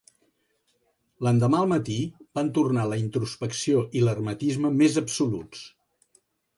L'endemà al matí van tornar la introspecció i l'hermetisme més absoluts.